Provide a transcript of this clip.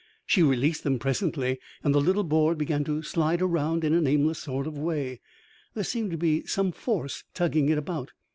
She released them presently, and the little board began to slide around in an aimless sort of way. There seemed to be some force tugging it about.